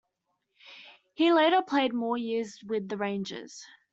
He later played more years with the Rangers.